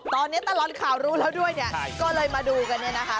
ตอนนี้ตลอดข่าวรู้แล้วด้วยเนี่ยก็เลยมาดูกันเนี่ยนะคะ